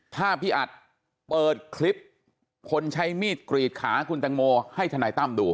ถ้าพี่อัดเปิดคลิปคนใช้มีดกรีดขาคุณตังโมให้ทนายตั้มดู